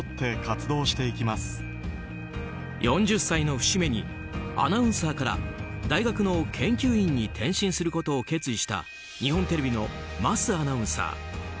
４０歳の節目にアナウンサーから大学の研究員に転身することを決意した日本テレビの桝アナウンサー。